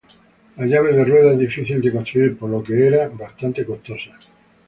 La llave de rueda es difícil de construir, por lo que era bastante costosa.